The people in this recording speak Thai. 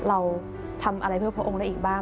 เราทำอะไรเพื่อพระองค์ได้อีกบ้าง